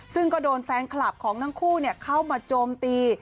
ซึ่งก็โดนแฟนคลับของทั้งคู่เข้ามาโจมตี